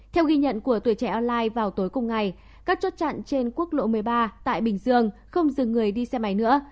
theo ghi nhận của tuổi trẻ online vào tối cùng ngày các chốt chặn trên quốc lộ một mươi ba tại bình dương không dừng người đi xe máy nữa